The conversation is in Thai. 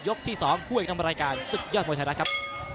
ยกที่๒ผู้อีกนำรายการซึกยอดมวงชายรักครับ